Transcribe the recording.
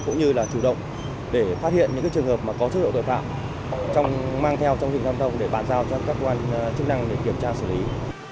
cũng như là chủ động để phát hiện những trường hợp có chất lượng tội phạm mang theo trong dịp tam đông để bàn giao cho các quan chức năng để kiểm tra xử lý